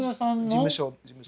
事務所！